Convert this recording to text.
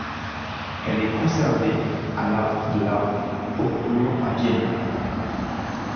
Elle est conservée à la de la Hofburg à Vienne.